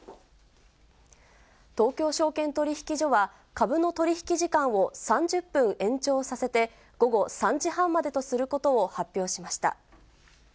東京証券取引所は、株の取り引き時間を３０分延長させて、午後３時半までとすることを発表しました。